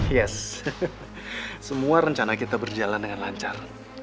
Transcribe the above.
yes semua rencana kita berjalan dengan lancar